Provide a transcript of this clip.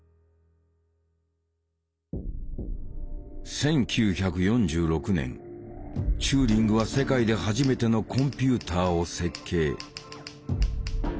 １９４６年チューリングは世界で初めてのコンピューターを設計。